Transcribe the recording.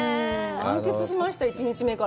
満喫しました１日目から。